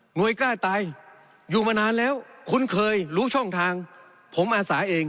กล้าตายอยู่มานานแล้วคุ้นเคยรู้ช่องทางผมอาสาเอง